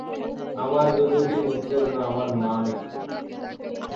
আমার দুর্গতির মধ্যেও যেন আমার মান একটু থাকে।